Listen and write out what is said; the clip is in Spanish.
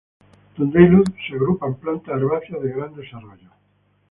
Donde hay luz se agrupan plantas herbáceas de gran desarrollo.